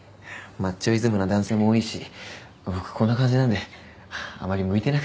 マッチョイズムな男性も多いし僕こんな感じなんであまり向いていなくて。